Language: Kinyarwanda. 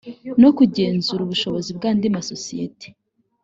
no kugenzura ubushobozi bw andi masosiyeti